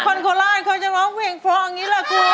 คนโคราชเขาจะร้องเพลงเพลงนี้เหรอคุณ